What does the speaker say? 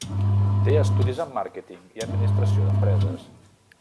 Té estudis en màrqueting i administració d'empreses.